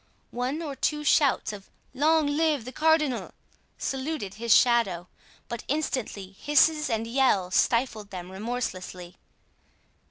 One or two shouts of "Long live the cardinal" saluted his shadow; but instantly hisses and yells stifled them remorselessly.